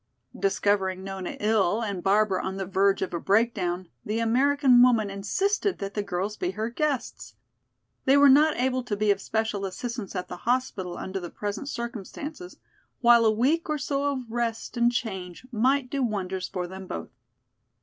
Discovering Nona ill and Barbara on the verge of a breakdown, the American woman insisted that the girls be her guests. They were not able to be of special assistance at the hospital under the present circumstances, while a week or so of rest and change might do wonders for them both.